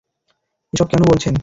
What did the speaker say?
এসব কেন বলছেন?